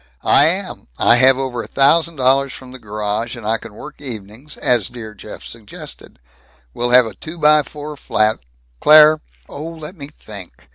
"I am. I have over a thousand dollars from the garage, and I can work evenings as dear Jeff suggested! We'd have a two by four flat Claire " "Oh, let me think.